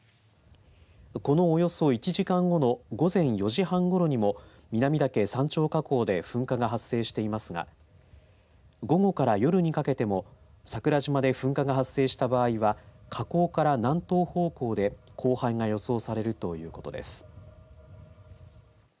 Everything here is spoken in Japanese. このおよそ１時間後の午前４時半ごろにも南岳山頂火口で噴火が発生していますが午後から夜にかけても桜島で噴火が発生した場合は火口から南東方向で降灰が予想されるということです。